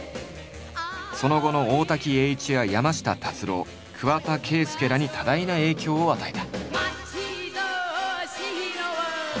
その後の大滝詠一や山下達郎桑田佳祐らに多大な影響を与えた。